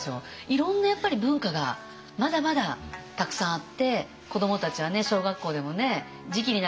いろんなやっぱり文化がまだまだたくさんあって子どもたちはね小学校でもね時期になるとね